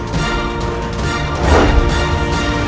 selamat tinggal puteraku